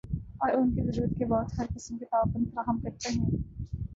اور ان کو ضرورت کے وقت ہر قسم کی تعاون فراہم کرتے ہیں ۔